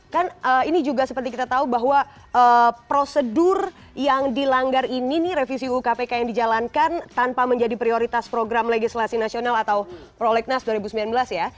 kan ini juga seperti kita tahu bahwa prosedur yang dilanggar ini nih revisi ukpk yang dijalankan tanpa menjadi prioritas program legislasi nasional atau prolegnas dua ribu sembilan belas ya